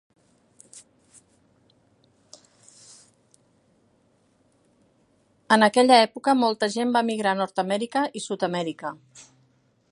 En aquella època molta gent va emigrar a Nord-Amèrica i Sud-Amèrica.